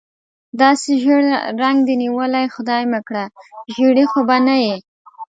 داسې ژېړ رنګ دې نیولی، خدای مکړه زېړی خو به نه یې؟